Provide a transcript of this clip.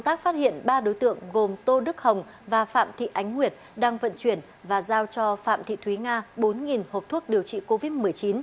công tác phát hiện ba đối tượng gồm tô đức hồng và phạm thị ánh nguyệt đang vận chuyển và giao cho phạm thị thúy nga bốn hộp thuốc điều trị covid một mươi chín